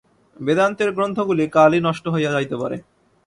বেদান্তের গ্রন্থগুলি কালই নষ্ট হইয়া যাইতে পারে।